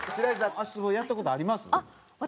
足つぼやった事あります？